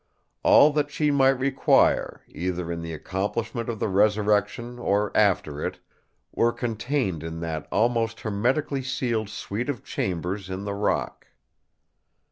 All that she might require, either in the accomplishment of the resurrection or after it, were contained in that almost hermetically sealed suite of chambers in the rock.